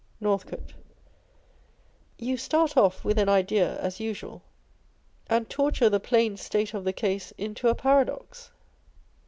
Northcote. You start off with an idea as usual, and tor ture the plain state of the case into a paradox.